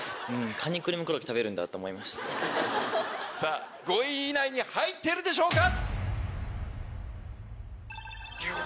さぁ５位以内に入ってるでしょうか